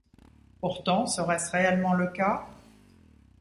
Pourtant, serait-ce réellement le cas ?